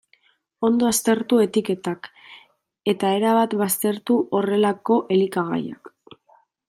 Ondo aztertu etiketak, eta erabat baztertu horrelako elikagaiak.